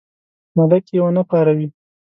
ملک یې ونه پاروي.